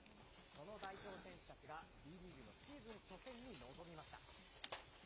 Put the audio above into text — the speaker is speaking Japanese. その代表選手たちがＢリーグのシーズン初戦に臨みました。